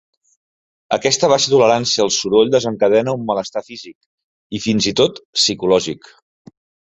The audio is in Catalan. Aquesta baixa tolerància al soroll desencadena un malestar físic i, fins i tot, psicològic.